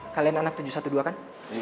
kalian anak tujuh ratus dua belas kan